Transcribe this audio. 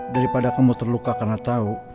daripada kamu terluka karena tahu